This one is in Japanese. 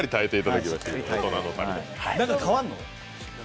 何か変わるの？